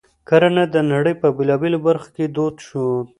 کرنه د نړۍ په بېلابېلو برخو کې دود شوه.